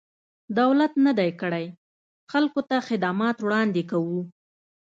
دولت نه دی کړی، خلکو ته خدمات وړاندې کوو.